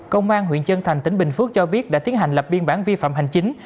công an huyện chân thành tỉnh bình phước cho biết đã tiến hành lập biên bản vi phạm hành chính